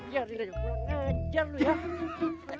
ya rina aku mau ngejar lu ya